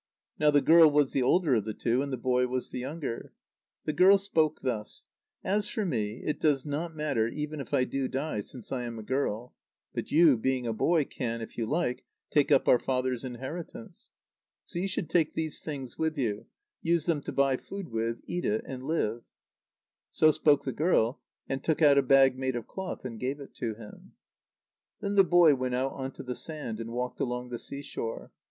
Now the girl was the older of the two, and the boy was the younger. The girl spoke thus: "As for me, it does not matter even if I do die, since I am a girl. But you, being a boy, can, if you like, take up our father's inheritance. So you should take these things with you, use them to buy food with, eat it, and live." So spoke the girl, and took out a bag made of cloth, and gave it to him. Then the boy went out on to the sand, and walked along the sea shore.